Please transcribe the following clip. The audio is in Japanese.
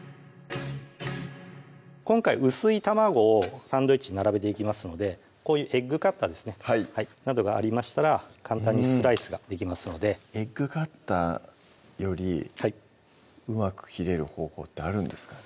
今回薄い卵をサンドイッチに並べていきますのでこういうエッグカッターですねなどがありましたら簡単にスライスができますのでエッグカッターよりうまく切れる方法ってあるんですかね？